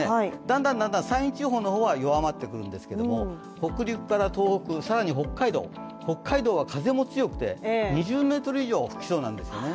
だんだん山陰地方の方は弱まってくるんですが北陸から東北、更に北海道、北海道は風も強くて２０メートル以上吹きそうなんですよね